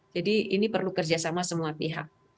jadi ini perlu kerjasama semua pihak